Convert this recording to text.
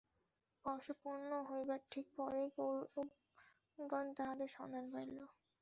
বর্ষ পূর্ণ হইবার ঠিক পরেই কৌরবগণ তাঁহাদের সন্ধান পাইল।